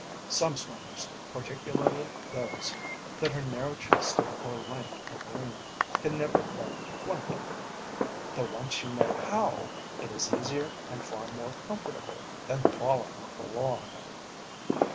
Some swimmers, particularly those that are narrow chested or lank and lean, can never learn to float, though once you know how, it is easier and far more comfortable than "falling off a log."